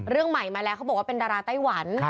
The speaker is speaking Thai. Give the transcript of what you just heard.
เรื่องใหม่มาแล้วเขาบอกว่าเป็นดาราไต้หวัน